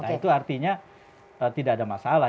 nah itu artinya tidak ada masalah